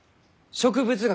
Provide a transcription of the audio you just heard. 植物学？